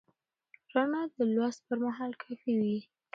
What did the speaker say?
رڼا د لوست پر مهال کافي وي.